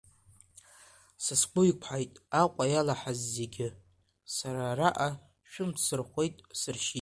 Са сгәы иқәҳаит Аҟәа иалаҳаз зегь, сара араҟа шәынтә сырхәит, сыршьит.